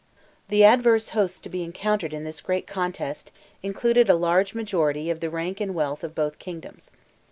The adverse hosts to be encountered in this great contest, included a large majority of the rank and wealth of both kingdoms.